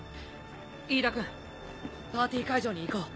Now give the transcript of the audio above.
飯田君パーティー会場に行こう。